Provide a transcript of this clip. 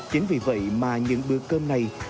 chính vì vậy mà những bữa cơm này